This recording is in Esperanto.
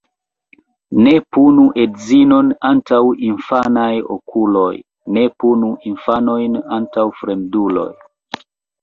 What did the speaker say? Ne punu edzinon antaŭ infanaj okuloj, ne punu infanojn antaŭ fremduloj.